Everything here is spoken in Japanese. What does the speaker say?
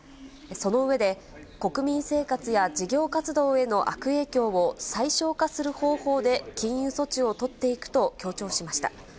その上で、国民生活や事業活動への悪影響を最小化する方法で禁輸措置を取っていくと強調しました。